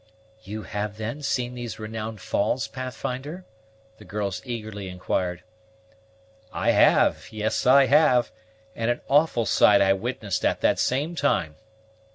"You have, then, seen these renowned falls, Pathfinder?" the girl eagerly inquired. "I have yes, I have; and an awful sight I witnessed at that same time.